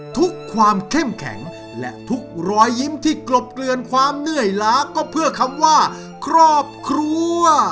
ทุกความเข้มแข็งและทุกรอยยิ้มที่กลบเกลือนความเหนื่อยล้าก็เพื่อคำว่าครอบครัว